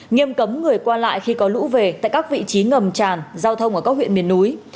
nghiêm cấm người qua lại khi có lũ về tại các vị trí ngầm tràn giao thông ở các huyện miền núi